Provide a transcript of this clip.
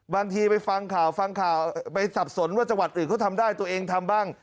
บางทีไปฟังข่าวฟังข่าวไปสับสนว่าจังหวัดอื่นเขาทำได้ตัวเองทำบ้าง